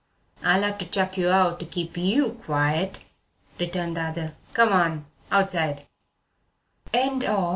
"I'll have to chuck you out to keep you quiet," returned the other. "Come on outside!"